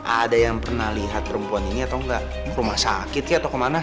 ada yang pernah lihat perempuan ini atau engga rumah sakit ke atau kemana